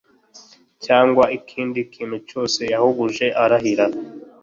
cyangwa ikindi kintu cyose yahuguje arahira